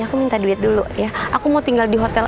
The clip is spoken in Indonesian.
aku minta duit dulu ya aku mau tinggal di hotel